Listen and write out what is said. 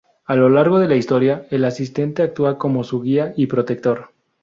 A lo largo de la historia, el asistente actúa como su guía y protector.